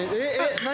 何？